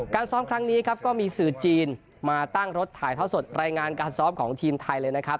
ซ้อมครั้งนี้ครับก็มีสื่อจีนมาตั้งรถถ่ายท่อสดรายงานการซ้อมของทีมไทยเลยนะครับ